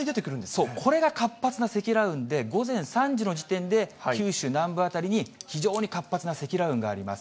そう、これが活発な積乱雲で、午前３時の時点で、九州南部辺りに、非常に活発な積乱雲があります。